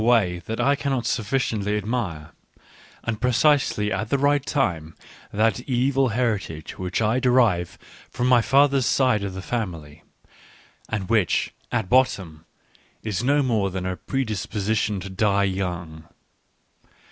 Digitized by Google 88 ECCE HOMO that I cannot sufficiently admire, and precisely at the right time, that evil heritage which I derive from my father's side of the family, and which, at bottom, is no more than a predisposition to die young.